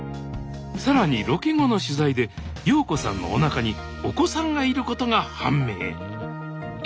更にロケ後の取材で陽子さんのおなかにお子さんがいることが判明。